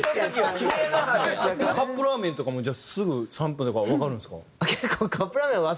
カップラーメンとかもじゃあすぐ３分とかわかるんですか？